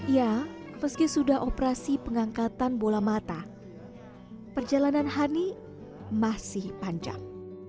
ya meski sudah operasi pengangkatan bola mata perjalanan hani masih panjang